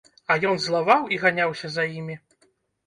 А ён злаваў і ганяўся за імі.